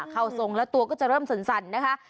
เข้าทรงแล้วตัวก็จะเริ่มสั่นนะคะ